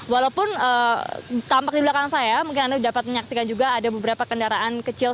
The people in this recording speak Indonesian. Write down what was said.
walaupun tampak di belakang saya mungkin anda dapat menyaksikan juga ada beberapa kendaraan kecil